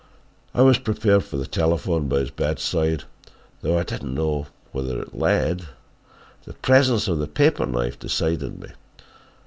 "I was prepared for the telephone by his bedside though I did not know to whither it led. The presence of the paper knife decided me.